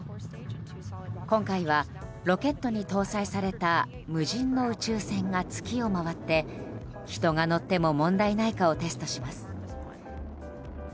今回は、ロケットに搭載された無人の宇宙船が月を回って人が乗っても問題ないかをテストします。